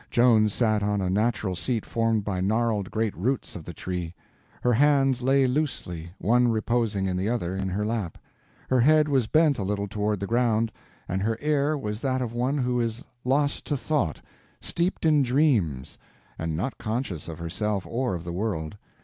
Joan sat on a natural seat formed by gnarled great roots of the Tree. Her hands lay loosely, one reposing in the other, in her lap. Her head was bent a little toward the ground, and her air was that of one who is lost to thought, steeped in dreams, and not conscious of herself or of the world.